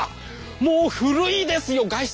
もう古いですよ画質。